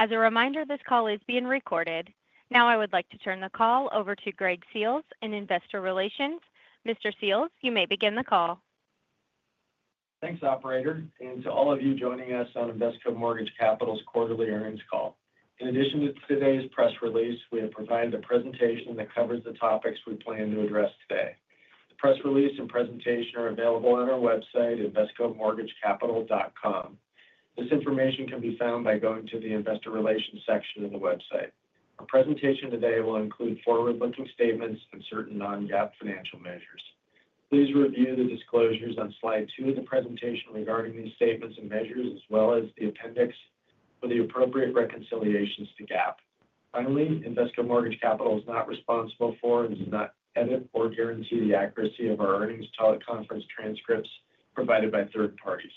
As a reminder, this call is being recorded. Now, I would like to turn the call over to Greg Seals in Investor Relations. Mr. Seals, you may begin the call. Thanks, operator. And to all of you joining us on Invesco Mortgage Capital's Quarterly Earnings Call. In addition to today's press release, we have provided a presentation that covers the topics we plan to address today. The press release and presentation are available on our website, invescomortgagecapital.com. This information can be found by going to the investor relations section of the website. Our presentation today will include forward-looking statements and certain non-GAAP financial measures. Please review the disclosures on slide two of the presentation regarding these statements and measures, as well as the appendix for the appropriate reconciliations to GAAP. Finally, Invesco Mortgage Capital is not responsible for and does not edit or guarantee the accuracy of our earnings teleconference transcripts provided by third parties.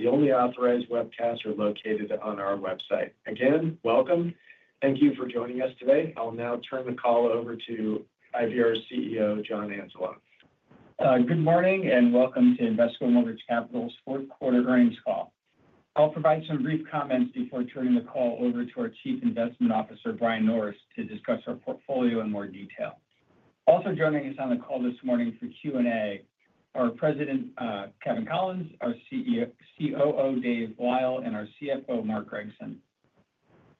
The only authorized webcasts are located on our website. Again, welcome. Thank you for joining us today. I'll now turn the call over to IVR's CEO, John Anzalone. Good morning and welcome to Invesco Mortgage Capital's fourth quarter earnings call. I'll provide some brief comments before turning the call over to our Chief Investment Officer, Brian Norris, to discuss our portfolio in more detail. Also joining us on the call this morning for Q&A are President Kevin Collins, our COO, Dave Lyle, and our CFO, Mark Gregson.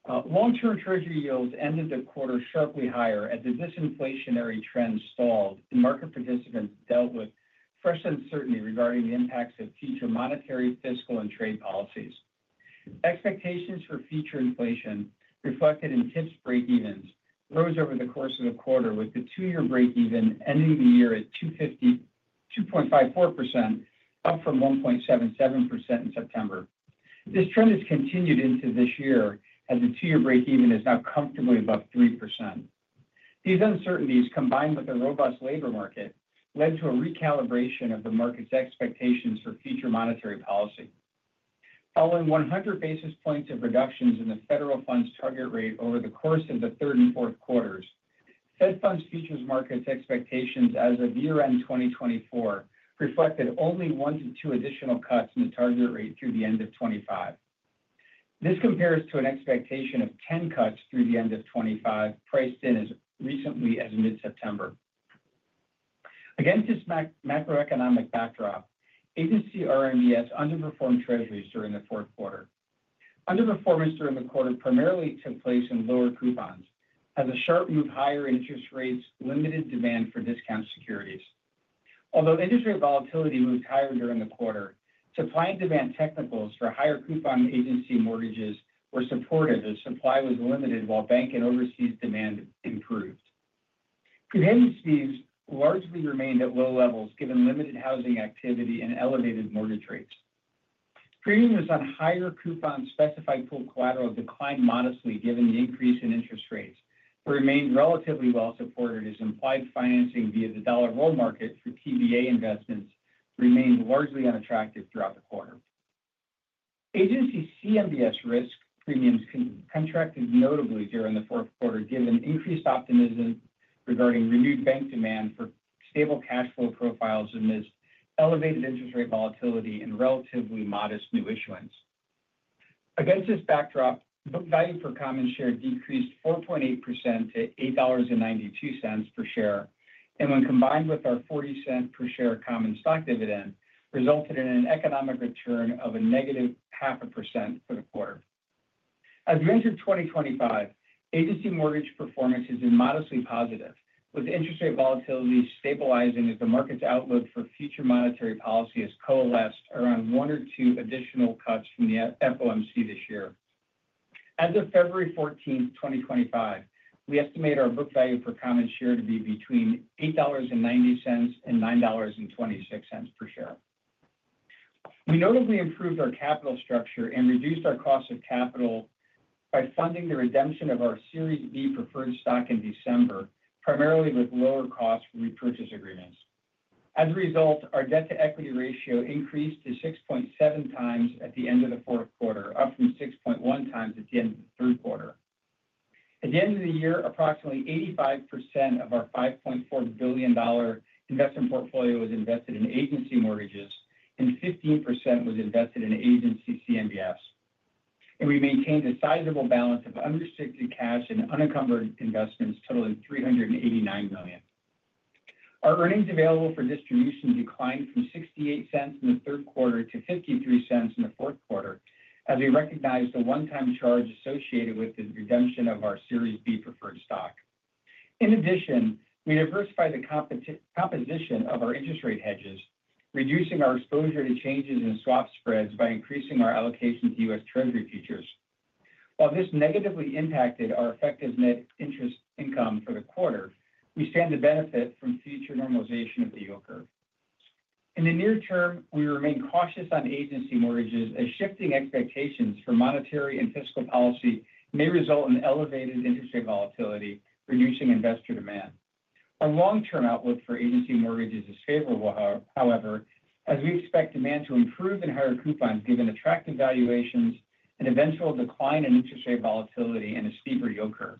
Long-term Treasury yields ended the quarter sharply higher as the disinflationary trend stalled, and market participants dealt with fresh uncertainty regarding the impacts of future monetary, fiscal, and trade policies. Expectations for future inflation reflected in TIPS breakevens rose over the course of the quarter, with the two-year breakeven ending the year at 2.54%, up from 1.77% in September. This trend has continued into this year as the two-year breakeven is now comfortably above 3%. These uncertainties, combined with a robust labor market, led to a recalibration of the market's expectations for future monetary policy. Following 100 basis points of reductions in the federal funds target rate over the course of the third and fourth quarters, Fed funds futures markets' expectations as of year-end 2024 reflected only one to two additional cuts in the target rate through the end of 2025. This compares to an expectation of 10 cuts through the end of 2025, priced in as recently as mid-September. Against this macroeconomic backdrop, Agency RMBS underperformed Treasuries during the fourth quarter. Underperformance during the quarter primarily took place in lower coupons as a sharp move higher interest rates limited demand for discount securities. Although interest rate volatility moved higher during the quarter, supply and demand technicals for higher coupon Agency mortgages were supportive as supply was limited while bank and overseas demand improved. Prepayments largely remained at low levels given limited housing activity and elevated mortgage rates. Premiums on higher coupon specified pool collateral declined modestly given the increase in interest rates, but remained relatively well-supported as implied financing via the dollar roll market for TBA investments remained largely unattractive throughout the quarter. Agency CMBS risk premiums contracted notably during the fourth quarter given increased optimism regarding renewed bank demand for stable cash flow profiles amidst elevated interest rate volatility and relatively modest new issuance. Against this backdrop, book value per common share decreased 4.8% to $8.92 per share, and when combined with our $0.40 per share common stock dividend, resulted in an economic return of -0.5% for the quarter. As we enter 2025, Agency mortgage performance has been modestly positive, with interest rate volatility stabilizing as the market's outlook for future monetary policy has coalesced around one or two additional cuts from the FOMC this year. As of February 14th, 2025, we estimate our book value per common share to be between $8.90 and $9.26 per share. We notably improved our capital structure and reduced our cost of capital by funding the redemption of our Series B Preferred Stock in December, primarily with lower-cost repurchase agreements. As a result, our debt-to-equity ratio increased to 6.7x at the end of the fourth quarter, up from 6.1x at the end of the third quarter. At the end of the year, approximately 85% of our $5.4 billion investment portfolio was invested in Agency mortgages, and 15% was invested in Agency CMBS. We maintained a sizable balance of unrestricted cash and unencumbered investments totaling $389 million. Our earnings available for distribution declined from $0.68 in the third quarter to $0.53 in the fourth quarter as we recognized the one-time charge associated with the redemption of our Series B Preferred Stock. In addition, we diversified the composition of our interest rate hedges, reducing our exposure to changes in swap spreads by increasing our allocation to U.S. Treasury futures. While this negatively impacted our effective net interest income for the quarter, we stand to benefit from future normalization of the yield curve. In the near term, we remain cautious on Agency mortgages as shifting expectations for monetary and fiscal policy may result in elevated interest rate volatility, reducing investor demand. Our long-term outlook for Agency mortgages is favorable, however, as we expect demand to improve in higher coupons given attractive valuations and eventual decline in interest rate volatility and a steeper yield curve.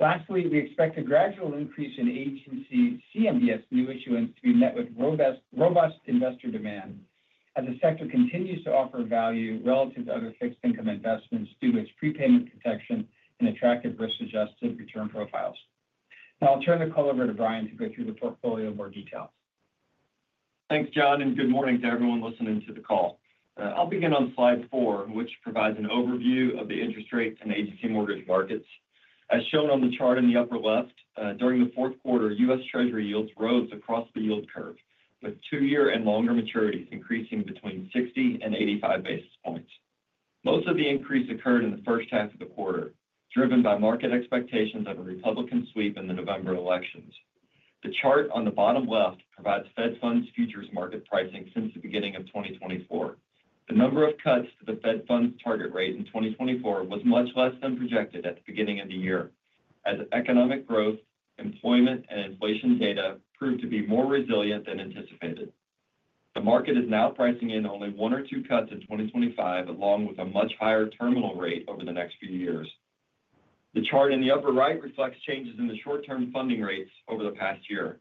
Lastly, we expect a gradual increase in Agency CMBS new issuance to be met with robust investor demand as the sector continues to offer value relative to other fixed-income investments due to its prepayment protection and attractive risk-adjusted return profiles. Now, I'll turn the call over to Brian to go through the portfolio in more detail. Thanks, John, and good morning to everyone listening to the call. I'll begin on slide four, which provides an overview of the interest rate and Agency mortgage markets. As shown on the chart in the upper left, during the fourth quarter, U.S. Treasury yields rose across the yield curve, with two-year and longer maturities increasing between 60 and 85 basis points. Most of the increase occurred in the first half of the quarter, driven by market expectations of a Republican sweep in the November elections. The chart on the bottom left provides Fed funds futures market pricing since the beginning of 2024. The number of cuts to the Fed funds target rate in 2024 was much less than projected at the beginning of the year, as economic growth, employment, and inflation data proved to be more resilient than anticipated. The market is now pricing in only one or two cuts in 2025, along with a much higher terminal rate over the next few years. The chart in the upper right reflects changes in the short-term funding rates over the past year.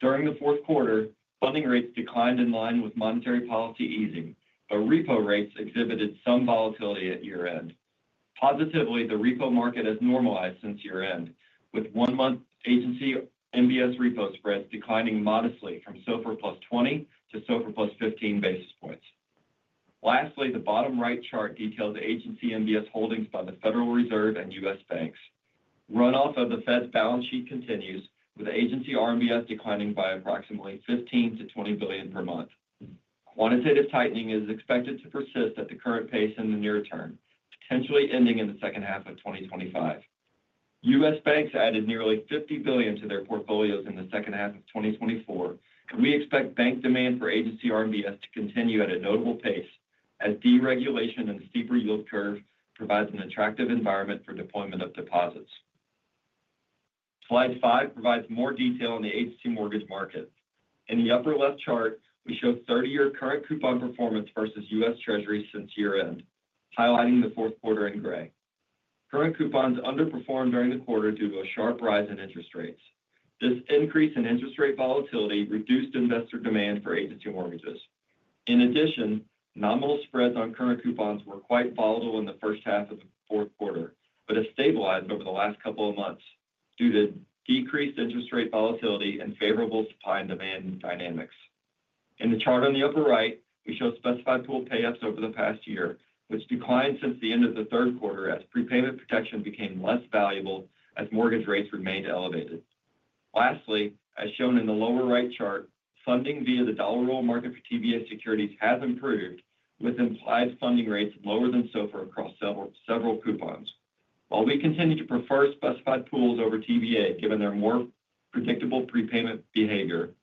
During the fourth quarter, funding rates declined in line with monetary policy easing, but repo rates exhibited some volatility at year-end. Positively, the repo market has normalized since year-end, with one-month Agency MBS repo spreads declining modestly from SOFR +20 to SOFR +15 basis points. Lastly, the bottom right chart details Agency MBS holdings by the Federal Reserve and U.S. banks. Runoff of the Fed's balance sheet continues, with Agency RMBS declining by approximately $15-$20 billion per month. Quantitative tightening is expected to persist at the current pace in the near term, potentially ending in the second half of 2025. U.S. banks added nearly $50 billion to their portfolios in the second half of 2024, and we expect bank demand for Agency RMBS to continue at a notable pace as deregulation and a steeper yield curve provide an attractive environment for deployment of deposits. Slide five provides more detail on the Agency mortgage market. In the upper left chart, we show 30-year current coupon performance versus U.S. Treasuries since year-end, highlighting the fourth quarter in gray. Current coupons underperformed during the quarter due to a sharp rise in interest rates. This increase in interest rate volatility reduced investor demand for agency mortgages. In addition, nominal spreads on current coupons were quite volatile in the first half of the fourth quarter, but have stabilized over the last couple of months due to decreased interest rate volatility and favorable supply and demand dynamics. In the chart on the upper right, we show specified pool payouts over the past year, which declined since the end of the third quarter as prepayment protection became less valuable as mortgage rates remained elevated. Lastly, as shown in the lower right chart, funding via the dollar roll market for TBA securities has improved, with implied funding rates lower than SOFR across several coupons. While we continue to prefer specified pools over TBA given their more predictable prepayment behavior,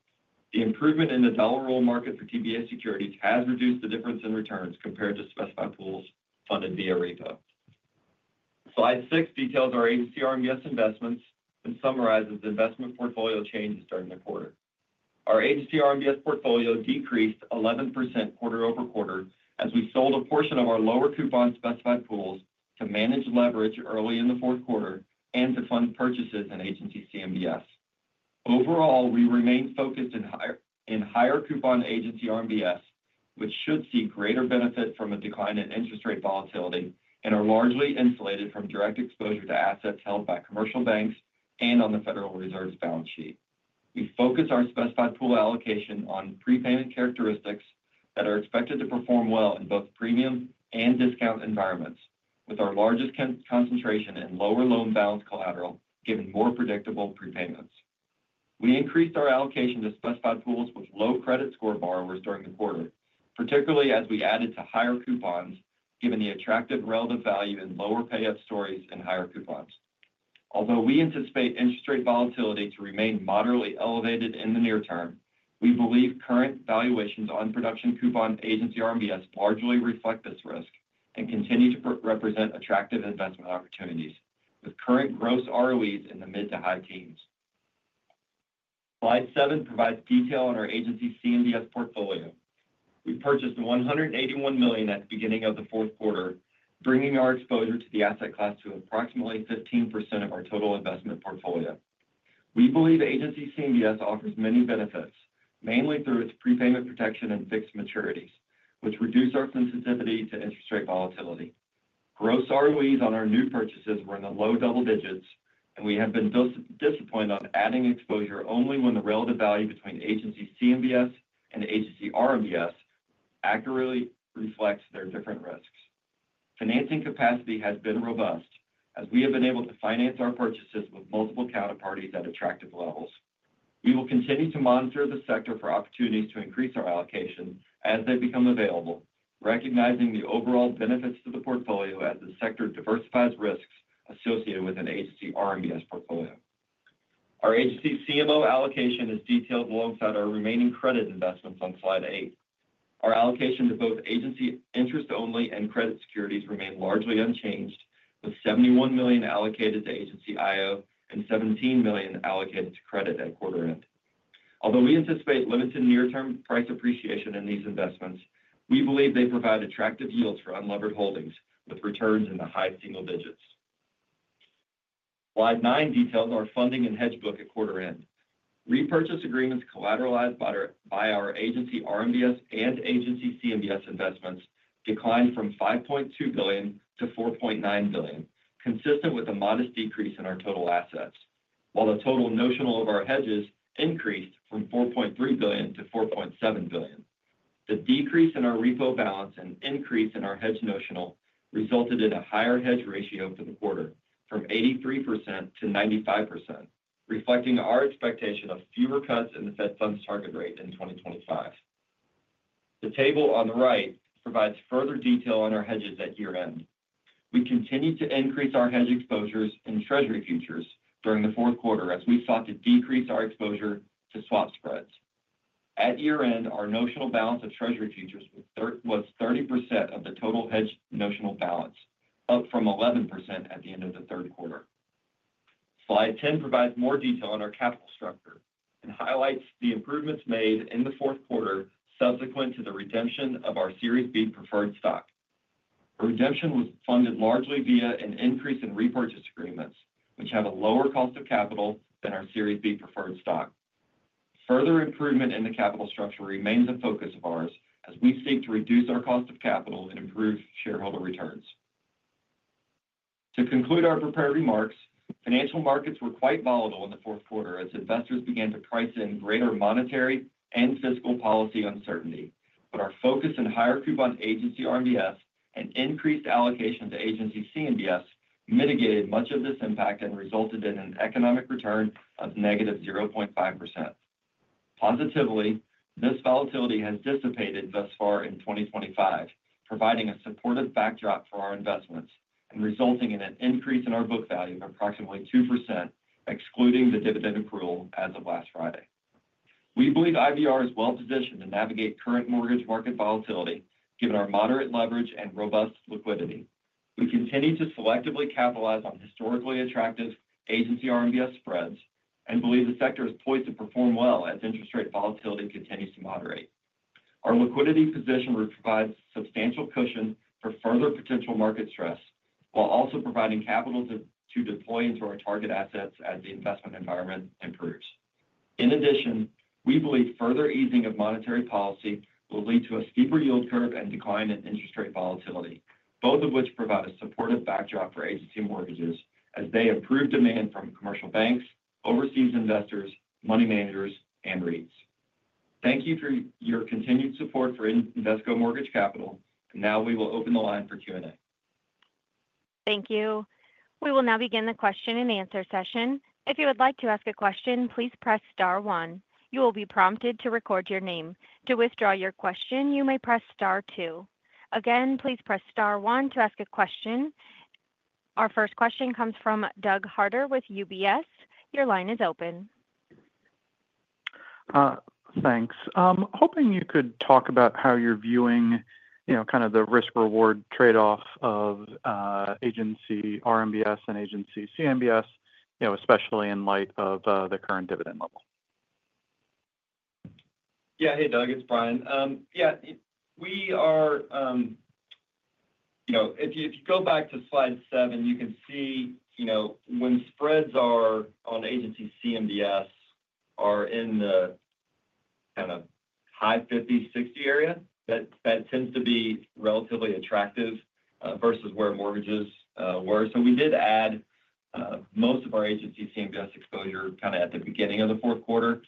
the improvement in the dollar roll market for TBA securities has reduced the difference in returns compared to specified pools funded via repo. Slide six details our Agency RMBS investments and summarizes investment portfolio changes during the quarter. Our Agency RMBS portfolio decreased 11% quarter-over-quarter as we sold a portion of our lower coupon specified pools to manage leverage early in the fourth quarter and to fund purchases in Agency CMBS. Overall, we remain focused in higher coupon Agency RMBS, which should see greater benefit from a decline in interest rate volatility and are largely insulated from direct exposure to assets held by commercial banks and on the Federal Reserve's balance sheet. We focus our specified pool allocation on prepayment characteristics that are expected to perform well in both premium and discount environments, with our largest concentration in lower loan balance collateral given more predictable prepayments. We increased our allocation to specified pools with low credit score borrowers during the quarter, particularly as we added to higher coupons given the attractive relative value in lower pay-up stories in higher coupons. Although we anticipate interest rate volatility to remain moderately elevated in the near term, we believe current valuations on production coupon Agency RMBS largely reflect this risk and continue to represent attractive investment opportunities, with current gross ROEs in the mid to high teens. Slide seven provides detail on our Agency CMBS portfolio. We purchased $181 million at the beginning of the fourth quarter, bringing our exposure to the asset class to approximately 15% of our total investment portfolio. We believe Agency CMBS offers many benefits, mainly through its prepayment protection and fixed maturities, which reduce our sensitivity to interest rate volatility. Gross ROEs on our new purchases were in the low double-digits, and we have been disappointed on adding exposure only when the relative value between Agency CMBS and Agency RMBS accurately reflects their different risks. Financing capacity has been robust, as we have been able to finance our purchases with multiple counterparties at attractive levels. We will continue to monitor the sector for opportunities to increase our allocation as they become available, recognizing the overall benefits to the portfolio as the sector diversifies risks associated with an Agency RMBS portfolio. Our Agency CMO allocation is detailed alongside our remaining credit investments on slide eight. Our allocation to both Agency interest-only and credit securities remained largely unchanged, with $71 million allocated to Agency IO and $17 million allocated to credit at quarter end. Although we anticipate limited near-term price appreciation in these investments, we believe they provide attractive yields for unlevered holdings, with returns in the high single-digits. Slide nine details our funding and hedge book at quarter end. Repurchase agreements collateralized by our Agency RMBS and Agency CMBS investments declined from $5.2 billion to $4.9 billion, consistent with a modest decrease in our total assets, while the total notional of our hedges increased from $4.3 billion to $4.7 billion. The decrease in our repo balance and increase in our hedge notional resulted in a higher hedge ratio for the quarter, from 83% to 95%, reflecting our expectation of fewer cuts in the Fed funds target rate in 2025. The table on the right provides further detail on our hedges at year-end. We continue to increase our hedge exposures in Treasury futures during the fourth quarter as we sought to decrease our exposure to swap spreads. At year-end, our notional balance of Treasury futures was 30% of the total hedge notional balance, up from 11% at the end of the third quarter. Slide 10 provides more detail on our capital structure and highlights the improvements made in the fourth quarter subsequent to the redemption of our Series B Preferred Stock. The redemption was funded largely via an increase in repurchase agreements, which have a lower cost of capital than our Series B Preferred Stock. Further improvement in the capital structure remains a focus of ours as we seek to reduce our cost of capital and improve shareholder returns. To conclude our prepared remarks, financial markets were quite volatile in the fourth quarter as investors began to price in greater monetary and fiscal policy uncertainty, but our focus in higher coupon Agency RMBS and increased allocation to Agency CMBS mitigated much of this impact and resulted in an economic return of -0.5%. Positively, this volatility has dissipated thus far in 2025, providing a supportive backdrop for our investments and resulting in an increase in our book value of approximately 2%, excluding the dividend accrual as of last Friday. We believe IVR is well-positioned to navigate current mortgage market volatility given our moderate leverage and robust liquidity. We continue to selectively capitalize on historically attractive Agency RMBS spreads and believe the sector is poised to perform well as interest rate volatility continues to moderate. Our liquidity position provides substantial cushion for further potential market stress while also providing capital to deploy into our target assets as the investment environment improves. In addition, we believe further easing of monetary policy will lead to a steeper yield curve and decline in interest rate volatility, both of which provide a supportive backdrop for agency mortgages as they improve demand from commercial banks, overseas investors, money managers, and REITs. Thank you for your continued support for Invesco Mortgage Capital. Now we will open the line for Q&A. Thank you. We will now begin the question-and-answer session. If you would like to ask a question, please press star one. You will be prompted to record your name. To withdraw your question, you may press star two. Again, please press star one to ask a question. Our first question comes from Doug Harter with UBS. Your line is open. Thanks. Hoping you could talk about how you're viewing kind of the risk-reward trade-off of Agency RMBS and Agency CMBS, especially in light of the current dividend level? Yeah. Hey, Doug. It's Brian. Yeah. If you go back to slide seven, you can see when spreads on Agency CMBS are in the kind of high 50, ,60 area, that tends to be relatively attractive versus where mortgages were. So, we did add most of our Agency CMBS exposure kind of at the beginning of the fourth quarter,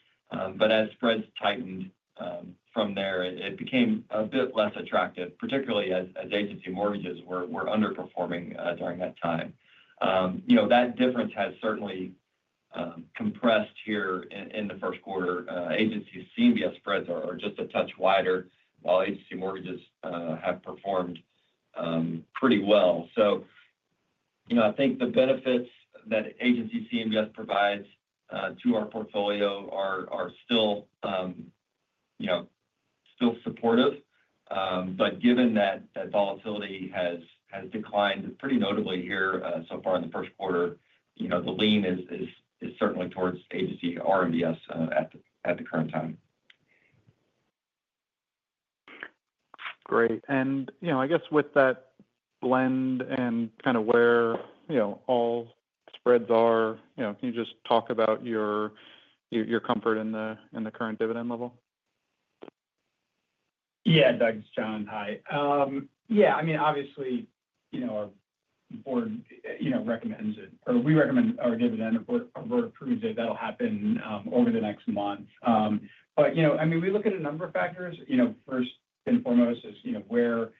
but as spreads tightened from there, it became a bit less attractive, particularly as Agency mortgages were underperforming during that time. That difference has certainly compressed here in the first quarter. Agency CMBS spreads are just a touch wider, while Agency mortgages have performed pretty well. So I think the benefits that Agency CMBS provides to our portfolio are still supportive, but given that volatility has declined pretty notably here so far in the first quarter, the lean is certainly towards Agency RMBS at the current time. Great. And I guess with that blend and kind of where all spreads are, can you just talk about your comfort in the current dividend level? Yeah, Doug, this is John. Hi. Yeah. I mean, obviously, our board recommends it, or we recommend our dividend, our board approves it. That'll happen over the next month. But I mean, we look at a number of factors. First and foremost is where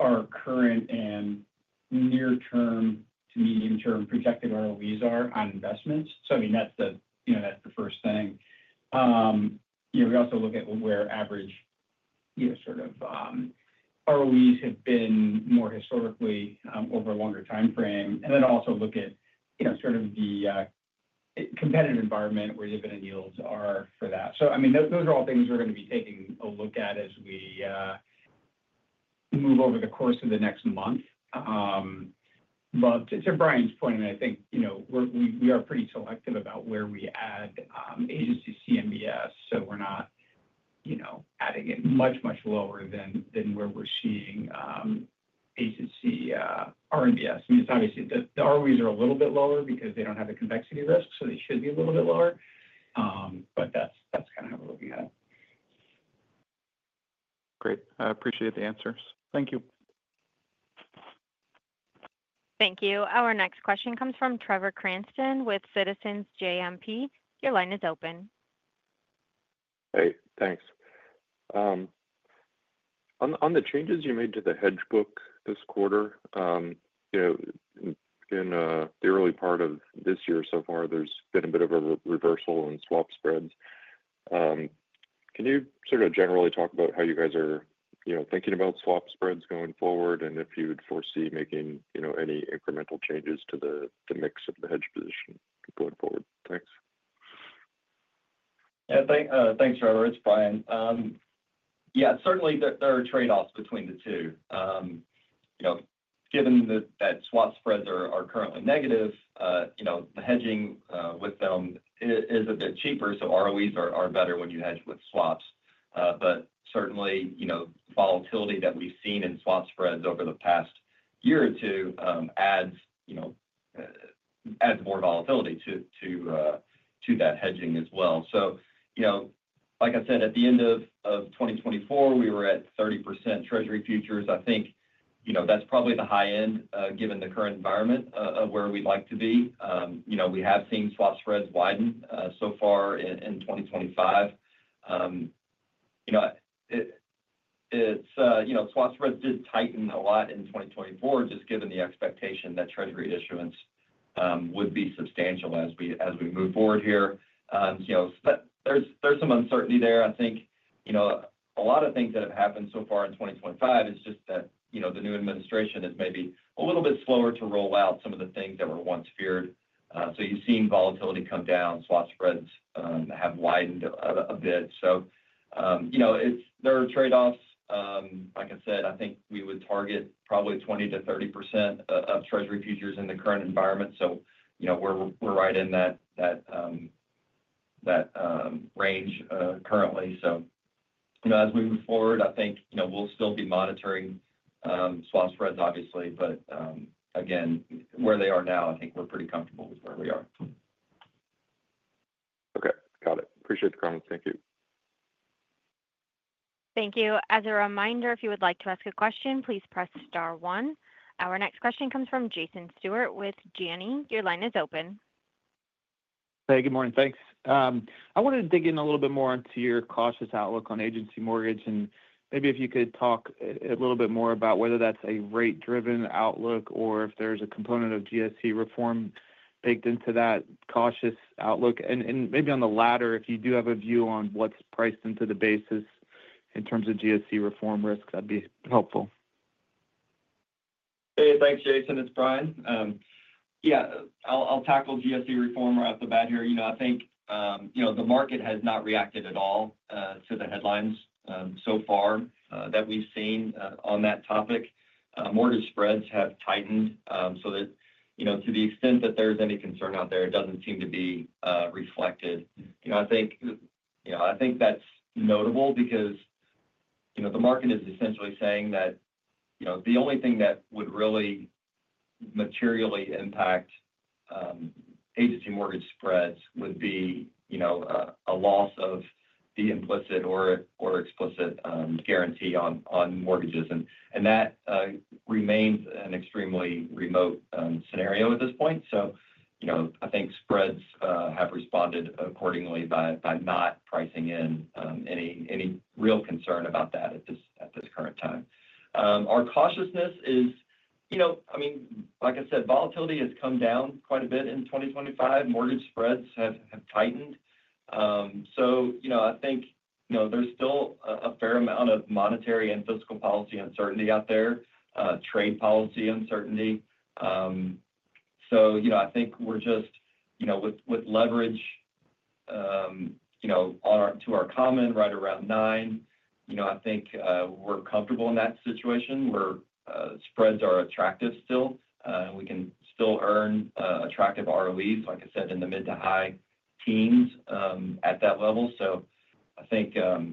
our current and near-term to medium-term projected ROEs are on investments. So I mean, that's the first thing. We also look at where average sort of ROEs have been more historically over a longer time frame, and then also look at sort of the competitive environment where dividend yields are for that. So I mean, those are all things we're going to be taking a look at as we move over the course of the next month. But to Brian's point, I mean, I think we are pretty selective about where we add Agency CMBS, so we're not adding it much, much lower than where we're seeing Agency RMBS. I mean, it's obviously the ROEs are a little bit lower because they don't have a convexity risk, so they should be a little bit lower, but that's kind of how we're looking at it. Great. I appreciate the answers. Thank you. Thank you. Our next question comes from Trevor Cranston with Citizens JMP. Your line is open. Hey, thanks. On the changes you made to the hedge book this quarter, in the early part of this year so far, there's been a bit of a reversal in swap spreads. Can you sort of generally talk about how you guys are thinking about swap spreads going forward and if you would foresee making any incremental changes to the mix of the hedge position going forward? Thanks. Yeah. Thanks, Trevor. It's Brian. Yeah, certainly, there are trade-offs between the two. Given that swap spreads are currently negative, the hedging with them is a bit cheaper, so ROEs are better when you hedge with swaps. But certainly, volatility that we've seen in swap spreads over the past year or two adds more volatility to that hedging as well. So, like I said, at the end of 2024, we were at 30% Treasury futures. I think that's probably the high end given the current environment of where we'd like to be. We have seen swap spreads widen so far in 2025. Swap spreads did tighten a lot in 2024, just given the expectation that Treasury issuance would be substantial as we move forward here. But there's some uncertainty there. I think a lot of things that have happened so far in 2025 is just that the new administration is maybe a little bit slower to roll out some of the things that were once feared. So you've seen volatility come down. Swap spreads have widened a bit. So there are trade-offs. Like I said, I think we would target probably 20%-30% of Treasury futures in the current environment. So, we're right in that range currently. So as we move forward, I think we'll still be monitoring swap spreads, obviously. But again, where they are now, I think we're pretty comfortable with where we are. Okay. Got it. Appreciate the comments. Thank you. Thank you. As a reminder, if you would like to ask a question, please press star one. Our next question comes from Jason Stewart with Janney. Your line is open. Hey, good morning. Thanks. I wanted to dig in a little bit more into your cautious outlook on Agency mortgage, and maybe if you could talk a little bit more about whether that's a rate-driven outlook or if there's a component of GSE reform baked into that cautious outlook, and maybe on the latter, if you do have a view on what's priced into the basis in terms of GSE reform risks, that'd be helpful. Hey, thanks, Jason. It's Brian. Yeah, I'll tackle GSE reform right off the bat here. I think the market has not reacted at all to the headlines so far that we've seen on that topic. Mortgage spreads have tightened, so to the extent that there's any concern out there, it doesn't seem to be reflected. I think that's notable because the market is essentially saying that the only thing that would really materially impact Agency mortgage spreads would be a loss of the implicit or explicit guarantee on mortgages. And that remains an extremely remote scenario at this point. So, I think spreads have responded accordingly by not pricing in any real concern about that at this current time. Our cautiousness is, I mean, like I said, volatility has come down quite a bit in 2025. Mortgage spreads have tightened. So, I think there's still a fair amount of monetary and fiscal policy uncertainty out there, trade policy uncertainty. So, I think we're just with leverage to our common right around nine. I think we're comfortable in that situation where spreads are attractive still. We can still earn attractive ROEs, like I said, in the mid to high teens at that level. So, I think we're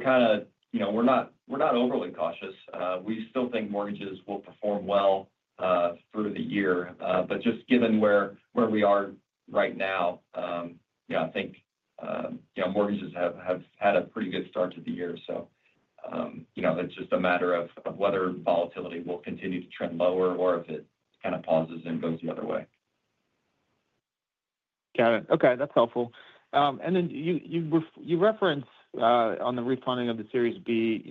kind of not overly cautious. We still think mortgages will perform well through the year. But just given where we are right now, I think mortgages have had a pretty good start to the year. So, it's just a matter of whether volatility will continue to trend lower or if it kind of pauses and goes the other way. Got it. Okay. That's helpful. And then you referenced on the refunding of the Series B,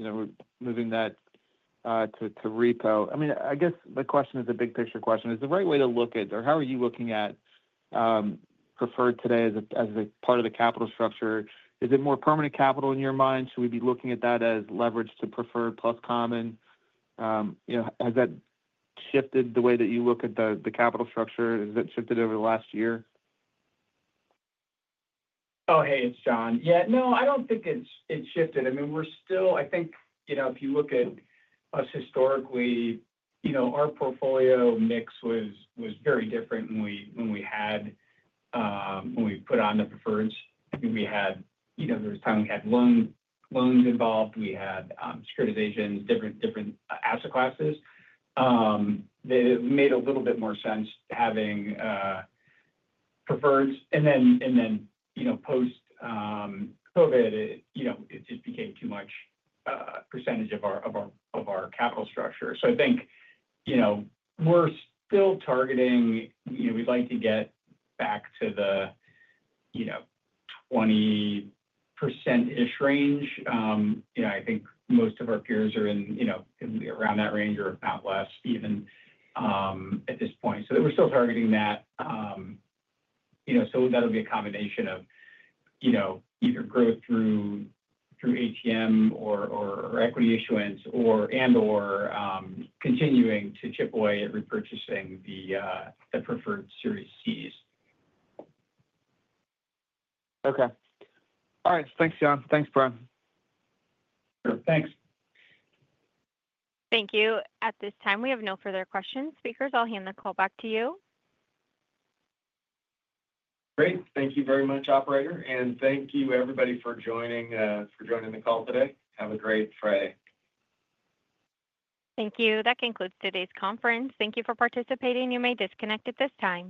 moving that to repo. I mean, I guess my question is a big picture question. Is the right way to look at or how are you looking at preferred today as a part of the capital structure? Is it more permanent capital in your mind? Should we be looking at that as leverage to preferred plus common? Has that shifted the way that you look at the capital structure? Has that shifted over the last year? Oh, hey, it's John. Yeah. No, I don't think it's shifted. I mean, we're still. I think if you look at us historically, our portfolio mix was very different when we put on the preferreds. I mean, there was a time we had loans involved. We had securitizations, different asset classes. It made a little bit more sense having preferreds. Then post-COVID, it just became too much percentage of our capital structure. So I think we're still targeting. We'd like to get back to the 20%-ish range. I think most of our peers are in around that range or if not less even at this point. So we're still targeting that. So that'll be a combination of either growth through ATM or equity issuance and/or continuing to chip away at repurchasing the preferred Series Cs. Okay. All right. Thanks, John. Thanks, Brian. Sure. Thanks. Thank you. At this time, we have no further questions. Speakers, I'll hand the call back to you. Great. Thank you very much, operator. And thank you, everybody, for joining the call today. Have a great Friday. Thank you. That concludes today's conference. Thank you for participating. You may disconnect at this time.